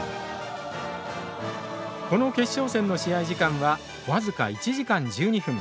この決勝戦の試合時間は僅か１時間１２分。